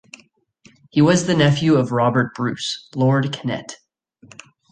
He was the nephew of Robert Bruce, Lord Kennet.